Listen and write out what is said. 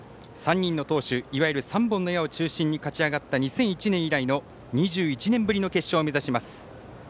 ３人の投手いわゆる３本の矢を中心に勝ち上がった２００１年以来の２１年ぶりの決勝を目指します。